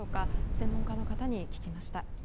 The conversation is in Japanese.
専門家の方に聞きました。